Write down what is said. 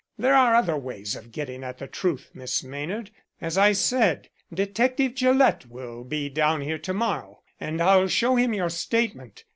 There are other ways of getting at the truth, Miss Maynard. As I said, Detective Gillett will be down here to morrow and I'll show him your statement.